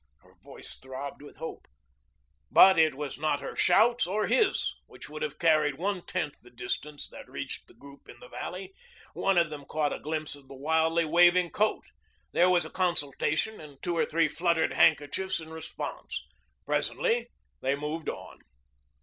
Her voice throbbed with hope. But it was not her shouts or his, which would not have carried one tenth the distance, that reached the group in the valley. One of them caught a glimpse of the wildly waving coat. There was a consultation and two or three fluttered handkerchiefs in response. Presently they moved on.